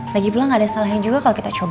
lagipula gak ada salahnya juga kalau kita coba pak